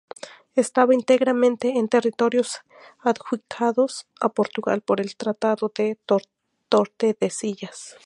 Estaba íntegramente en territorios adjudicados a Portugal por el Tratado de Tordesillas.